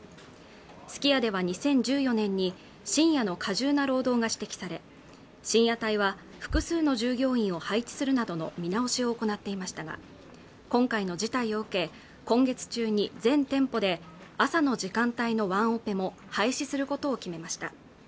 すき家では２０１４年に深夜の過重な労働が指摘され深夜帯は複数の従業員を配置するなどの見直しを行っていましたが今回の事態を受け今月中に全店舗で朝の時間帯のワンオペも廃止することを決めました